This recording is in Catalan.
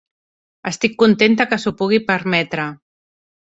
Estic contenta que s'ho pugui permetre.